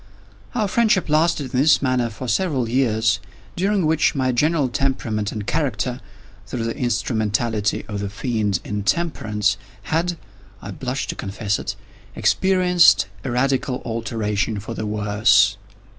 Our friendship lasted, in this manner, for several years, during which my general temperament and character—through the instrumentality of the Fiend Intemperance—had (I blush to confess it) experienced a radical alteration for the worse.